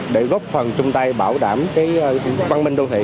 để góp phần chung tay bảo đảm cái văn minh đô thị